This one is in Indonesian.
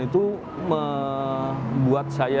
itu membuat saya berpikir